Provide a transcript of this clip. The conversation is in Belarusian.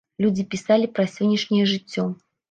Людзі пісалі пра сённяшняе жыццё.